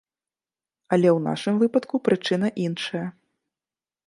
Але ў нашым выпадку прычына іншая.